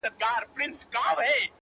اوس چي زه ليري بل وطن كي يمه,